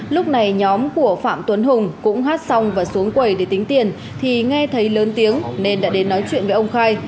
lúc này nhóm của phạm tuấn hùng cũng hát xong và xuống quầy để tính tiền thì nghe thấy lớn tiếng nên đã đến nói chuyện với ông khai